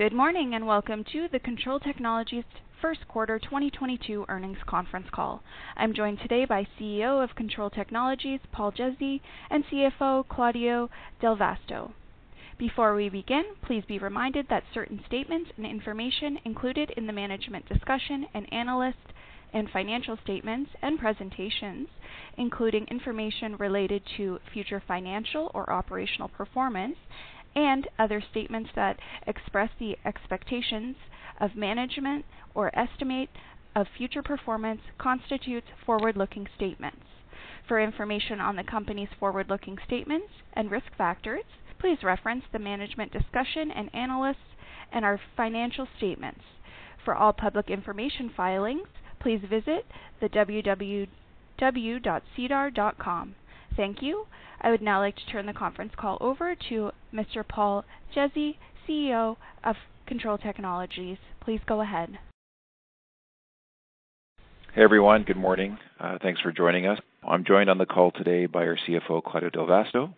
Good morning, and welcome to the Kontrol Technologies Q1 2022 earnings conference call. I'm joined today by CEO Paul Ghezzi of Kontrol Technologies and CFO Claudio Del Vasto. Before we begin, please be reminded that certain statements and information included in the management's discussion and analysis and financial statements and presentations, including information related to future financial or operational performance and other statements that express the expectations of management or estimate of future performance constitute forward-looking statements. For information on the company's forward-looking statements and risk factors, please reference the management's discussion and analysis and our financial statements. For all public information filings, please visit www.sedar.com. Thank you. I would now like to turn the conference call over to Mr. Paul Ghezzi, CEO of Kontrol Technologies. Please go ahead. Hey, everyone. Good morning. Thanks for joining us. I'm joined on the call today by our CFO, Claudio Del Vasto.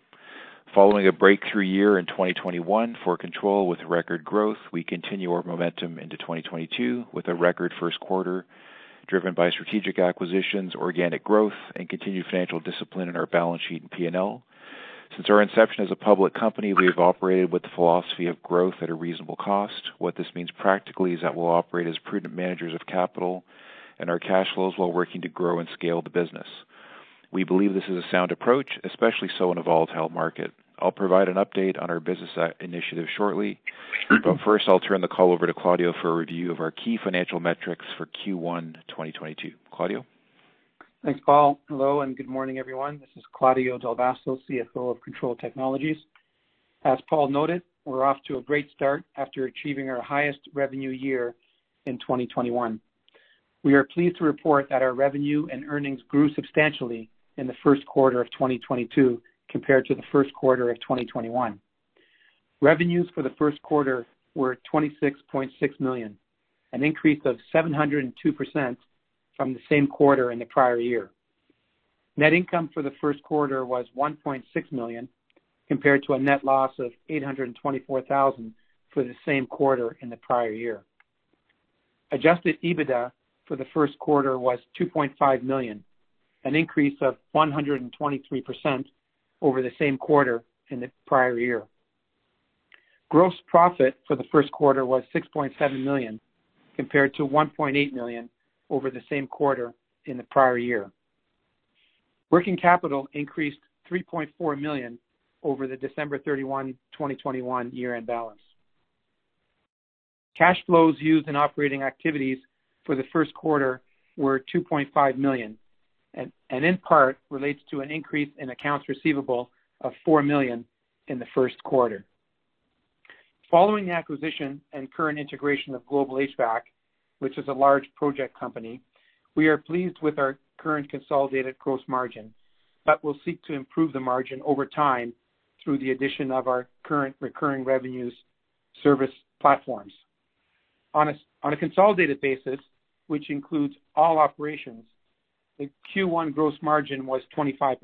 Following a breakthrough year in 2021 for Kontrol with record growth, we continue our momentum into 2022 with a record Q1 driven by strategic acquisitions, organic growth, and continued financial discipline in our balance sheet and P&L. Since our inception as a public company, we have operated with the philosophy of growth at a reasonable cost. What this means practically is that we'll operate as prudent managers of capital and our cash flows while working to grow and scale the business. We believe this is a sound approach, especially so in a volatile market. I'll provide an update on our business initiative shortly, but first, I'll turn the call over to Claudio for a review of our key financial metrics for Q1 2022. Claudio. Thanks, Paul. Hello, and good morning, everyone. This is Claudio Del Vasto, CFO of Kontrol Technologies. As Paul noted, we're off to a great start after achieving our highest revenue year in 2021. We are pleased to report that our revenue and earnings grew substantially in the Q1 of 2022 compared to the Q1 of 2021. Revenues for the Q1 were 26.6 million, an increase of 702% from the same quarter in the prior year. Net income for the Q1 was 1.6 million, compared to a net loss of 824,000 for the same quarter in the prior year. Adjusted EBITDA for the Q1 was 2.5 million, an increase of 123% over the same quarter in the prior year. Gross profit for the Q1 was 6.7 million, compared to 1.8 million over the same quarter in the prior year. Working capital increased 3.4 million over the December 31, 2021 year-end balance. Cash flows used in operating activities for the Q1 were 2.5 million, and in part relates to an increase in accounts receivable of 4 million in the Q1. Following the acquisition and current integration of Global HVAC, which is a large project company, we are pleased with our current consolidated gross margin, but we'll seek to improve the margin over time through the addition of our current recurring revenues service platforms. On a consolidated basis, which includes all operations, the Q1 gross margin was 25%.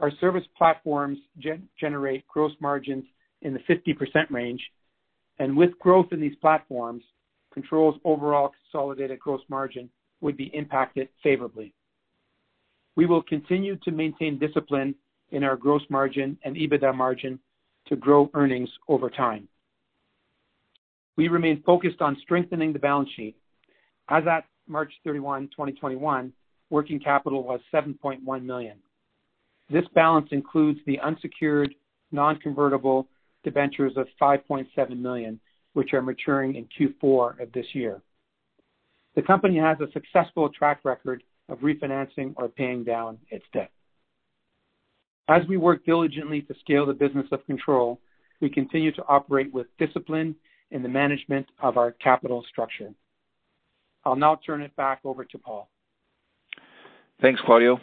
Our service platforms generate gross margins in the 50% range, and with growth in these platforms, Kontrol's overall consolidated gross margin would be impacted favorably. We will continue to maintain discipline in our gross margin and EBITDA margin to grow earnings over time. We remain focused on strengthening the balance sheet. As at March 31, 2021, working capital was 7.1 million. This balance includes the unsecured non-convertible debentures of 5.7 million, which are maturing in Q4 of this year. The company has a successful track record of refinancing or paying down its debt. As we work diligently to scale the business of Kontrol, we continue to operate with discipline in the management of our capital structure. I'll now turn it back over to Paul. Thanks, Claudio.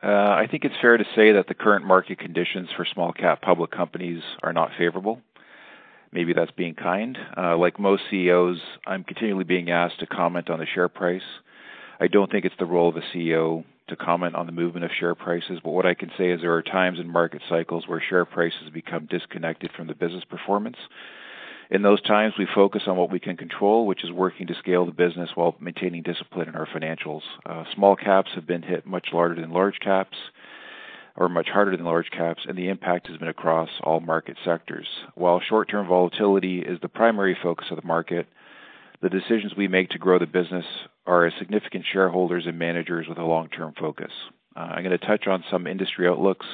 I think it's fair to say that the current market conditions for small-cap public companies are not favorable. Maybe that's being kind. Like most CEOs, I'm continually being asked to comment on the share price. I don't think it's the role of a CEO to comment on the movement of share prices, but what I can say is there are times in market cycles where share prices become disconnected from the business performance. In those times, we focus on what we can control, which is working to scale the business while maintaining discipline in our financials. Small-caps have been hit much larger than large-caps or much harder than large-caps, and the impact has been across all market sectors. While short-term volatility is the primary focus of the market, the decisions we make to grow the business are as significant shareholders and managers with a long-term focus. I'm gonna touch on some industry outlooks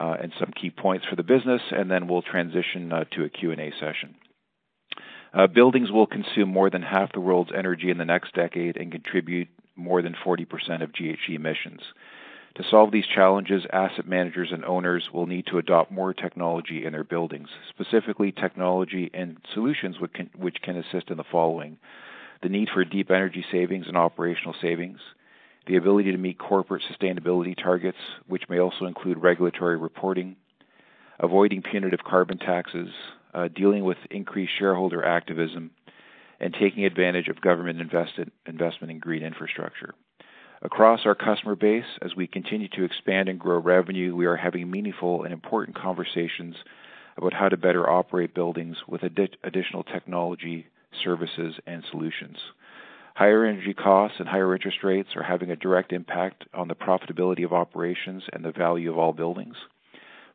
and some key points for the business, and then we'll transition to a Q&A session. Buildings will consume more than half the world's energy in the next decade and contribute more than 40% of GHG emissions. To solve these challenges, asset managers and owners will need to adopt more technology in their buildings, specifically technology and solutions which can assist in the need for deep energy savings and operational savings, the ability to meet corporate sustainability targets, which may also include regulatory reporting, avoiding punitive carbon taxes, dealing with increased shareholder activism and taking advantage of government investment in green infrastructure. Across our customer base, as we continue to expand and grow revenue, we are having meaningful and important conversations about how to better operate buildings with additional technology, services, and solutions. Higher energy costs and higher interest rates are having a direct impact on the profitability of operations and the value of all buildings.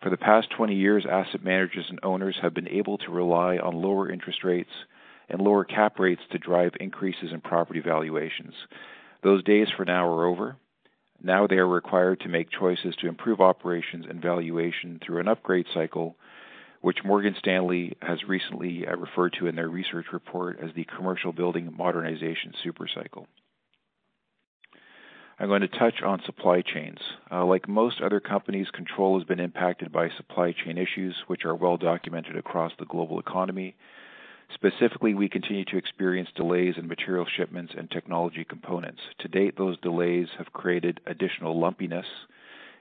For the past 20 years, asset managers and owners have been able to rely on lower interest rates and lower cap rates to drive increases in property valuations. Those days for now are over. Now they are required to make choices to improve operations and valuation through an upgrade cycle, which Morgan Stanley has recently referred to in their research report as the commercial building modernization super cycle. I'm going to touch on supply chains. Like most other companies, Kontrol has been impacted by supply chain issues which are well documented across the global economy. Specifically, we continue to experience delays in material shipments and technology components. To date, those delays have created additional lumpiness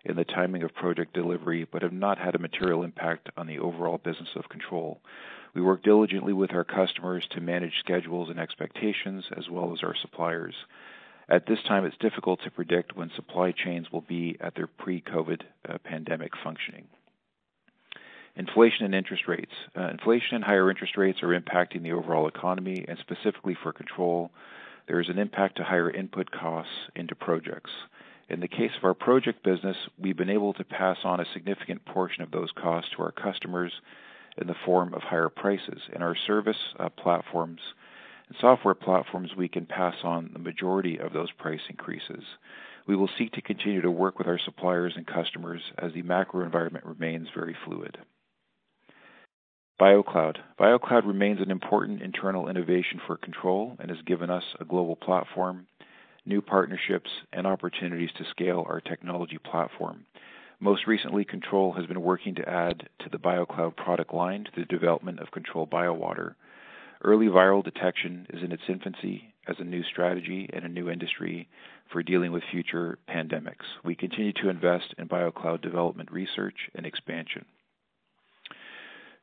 in the timing of project delivery, but have not had a material impact on the overall business of Kontrol. We work diligently with our customers to manage schedules and expectations as well as our suppliers. At this time, it's difficult to predict when supply chains will be at their pre-COVID pandemic functioning. Inflation and higher interest rates are impacting the overall economy, and specifically for Kontrol, there is an impact to higher input costs into projects. In the case of our project business, we've been able to pass on a significant portion of those costs to our customers in the form of higher prices. In our service, platforms and software platforms, we can pass on the majority of those price increases. We will seek to continue to work with our suppliers and customers as the macro environment remains very fluid. BioCloud. BioCloud remains an important internal innovation for Kontrol and has given us a global platform, new partnerships, and opportunities to scale our technology platform. Most recently, Kontrol has been working to add to the BioCloud product line to the development of Kontrol BioWater. Early viral detection is in its infancy as a new strategy and a new industry for dealing with future pandemics. We continue to invest in BioCloud development research and expansion.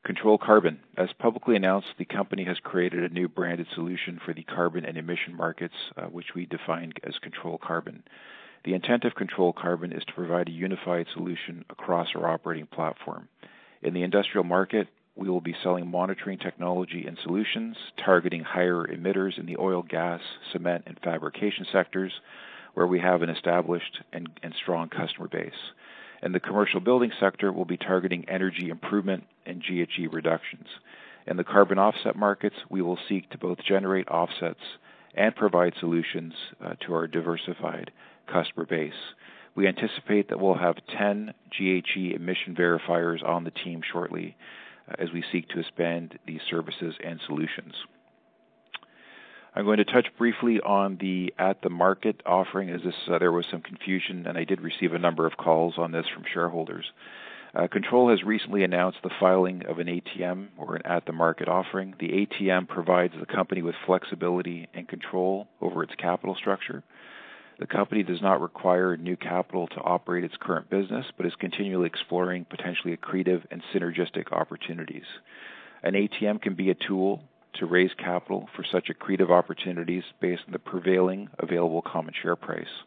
Kontrol Carbon. As publicly announced, the company has created a new branded solution for the carbon and emission markets, which we defined as Kontrol Carbon. The intent of Kontrol Carbon is to provide a unified solution across our operating platform. In the industrial market, we will be selling monitoring technology and solutions, targeting higher emitters in the oil, gas, cement, and fabrication sectors, where we have an established and strong customer base. In the commercial building sector, we'll be targeting energy improvement and GHG reductions. In the carbon offset markets, we will seek to both generate offsets and provide solutions to our diversified customer base. We anticipate that we'll have 10 GHG emission verifiers on the team shortly as we seek to expand these services and solutions. I'm going to touch briefly on the at-the-market offering as there was some confusion, and I did receive a number of calls on this from shareholders. Kontrol has recently announced the filing of an ATM or an at-the-market offering. The ATM provides the company with flexibility and control over its capital structure. The company does not require new capital to operate its current business, but is continually exploring potentially accretive and synergistic opportunities. An ATM can be a tool to raise capital for such accretive opportunities based on the prevailing available common share price.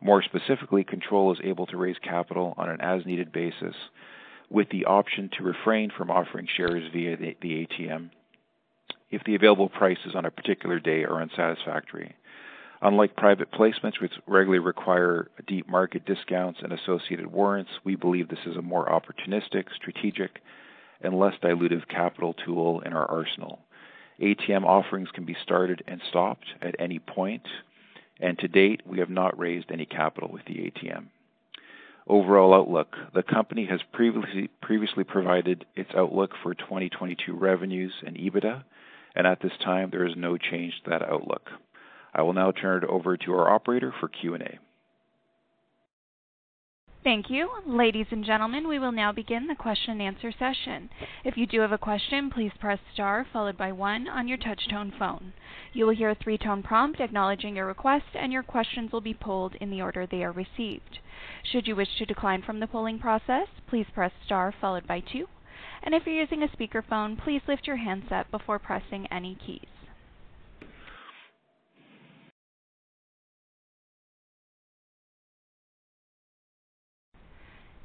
More specifically, Kontrol is able to raise capital on an as-needed basis with the option to refrain from offering shares via the ATM if the available prices on a particular day are unsatisfactory. Unlike private placements which regularly require deep market discounts and associated warrants, we believe this is a more opportunistic, strategic, and less dilutive capital tool in our arsenal. ATM offerings can be started and stopped at any point, and to date, we have not raised any capital with the ATM. Overall outlook. The company has previously provided its outlook for 2022 revenues and EBITDA, and at this time, there is no change to that outlook. I will now turn it over to our operator for Q&A. Thank you. Ladies and gentlemen, we will now begin the question and answer session. If you do have a question, please press star followed by one on your touch tone phone. You will hear a three-tone prompt acknowledging your request, and your questions will be polled in the order they are received. Should you wish to decline from the polling process, please press star followed by two. If you're using a speakerphone, please lift your handset before pressing any keys.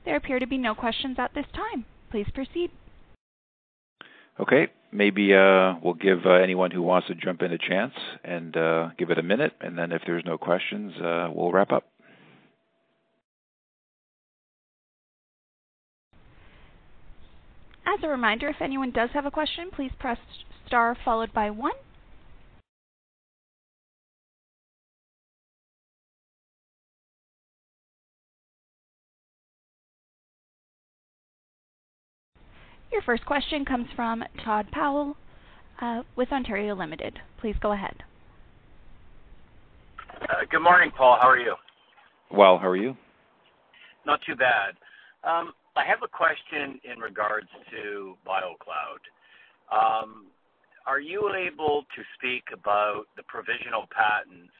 There appear to be no questions at this time. Please proceed. Okay. Maybe we'll give anyone who wants to jump in a chance and give it a minute, and then if there's no questions, we'll wrap up. As a reminder, if anyone does have a question, please press star followed by one. Your first question comes from Todd Powell with Ontario Limited. Please go ahead. Good morning, Paul. How are you? Well. How are you? Not too bad. I have a question in regards to BioCloud. Are you able to speak about the provisional patents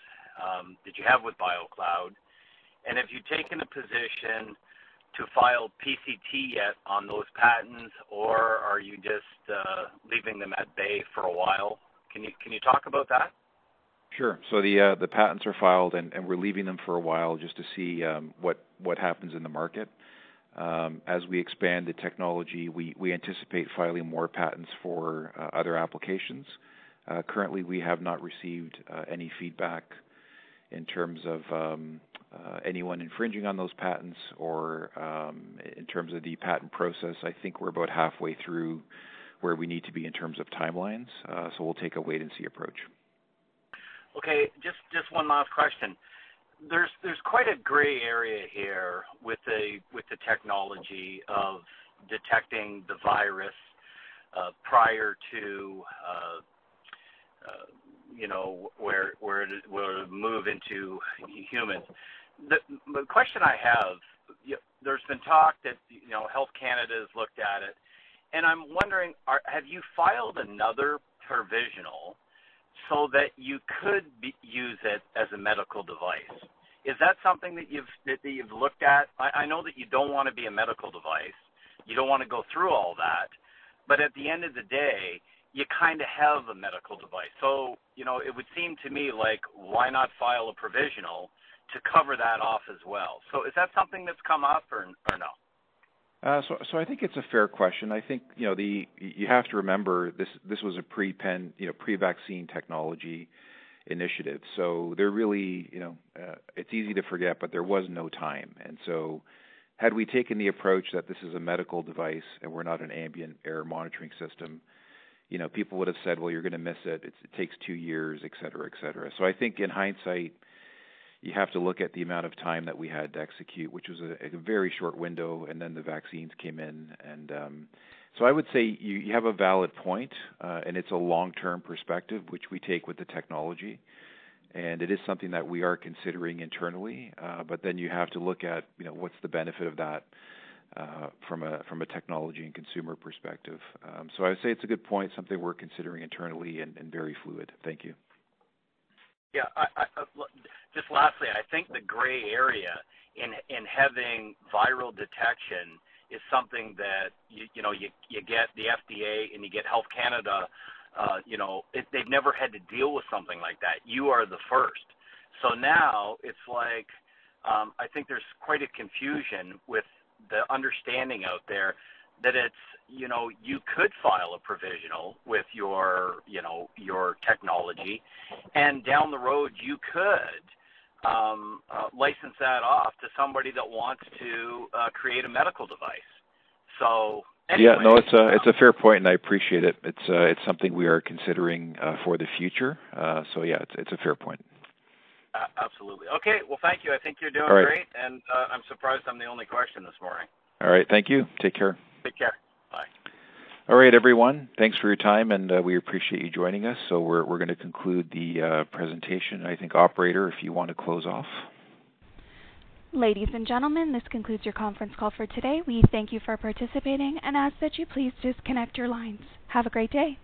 that you have with BioCloud? Have you taken a position to file PCT yet on those patents, or are you just leaving them at bay for a while? Can you talk about that? Sure. The patents are filed and we're leaving them for a while just to see what happens in the market. As we expand the technology, we anticipate filing more patents for other applications. Currently, we have not received any feedback in terms of anyone infringing on those patents or in terms of the patent process. I think we're about halfway through where we need to be in terms of timelines. We'll take a wait and see approach. Okay. Just one last question. There's quite a gray area here with the technology of detecting the virus, prior to, you know, where it will move into humans. The question I have, there's been talk that, you know, Health Canada has looked at it, and I'm wondering, have you filed another provisional so that you could use it as a medical device? Is that something that you've looked at? I know that you don't wanna be a medical device. You don't wanna go through all that. At the end of the day, you kinda have a medical device. You know, it would seem to me like why not file a provisional to cover that off as well. Is that something that's come up or no? I think it's a fair question. I think, you know, the. You have to remember this was a pre-pandemic, you know, pre-vaccine technology initiative. There really, you know, it's easy to forget, but there was no time. Had we taken the approach that this is a medical device and we're not an ambient air monitoring system, you know, people would have said, "Well, you're gonna miss it. It takes two years," et cetera, et cetera. I think in hindsight, you have to look at the amount of time that we had to execute, which was a very short window, and then the vaccines came in and. I would say you have a valid point, and it's a long-term perspective, which we take with the technology, and it is something that we are considering internally. You have to look at, you know, what's the benefit of that from a technology and consumer perspective. I would say it's a good point, something we're considering internally and very fluid. Thank you. Yeah. I look, just lastly, I think the gray area in having viral detection is something that you know, you get the FDA and you get Health Canada, you know, if they've never had to deal with something like that, you are the first. So now it's like, I think there's quite a confusion with the understanding out there that it's, you know, you could file a provisional with your, you know, your technology, and down the road you could license that off to somebody that wants to create a medical device. So anyway. Yeah. No, it's a fair point, and I appreciate it. It's something we are considering for the future. Yeah, it's a fair point. Absolutely. Okay. Well, thank you. I think you're doing great. All right. I'm surprised I'm the only question this morning. All right. Thank you. Take care. Take care. Bye. All right, everyone. Thanks for your time, and we appreciate you joining us. We're gonna conclude the presentation. I think, operator, if you want to close off. Ladies and gentlemen, this concludes your conference call for today. We thank you for participating and ask that you please disconnect your lines. Have a great day.